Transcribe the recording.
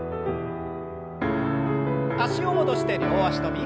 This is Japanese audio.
脚を戻して両脚跳び。